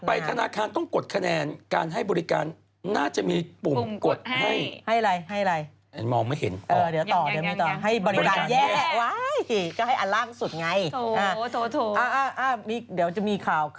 ธนาคารต้องกดคะแนนการให้บริการน่าจะมีปุ่มกดให้อะไร